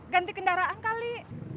ganti kendaraan kali